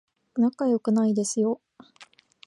仲良くないですよ